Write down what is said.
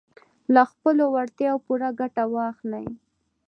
له خپلو وړتیاوو پوره ګټه واخلئ.